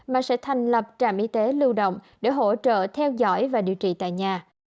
mà sẽ thành lập trạm y tế lưu động để hỗ trợ theo dõi và điều trị tại nhà